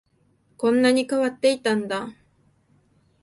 こんなに変わっていたんだ